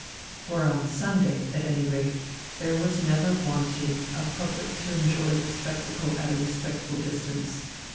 For on Sunday, at any rate, there was never wanting a public to enjoy the spectacle at a respectful distance.